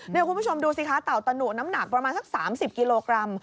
นี่คุณผู้ชมดูสิคะเต่าตะหนุน้ำหนักประมาณสัก๓๐กิโลกรัม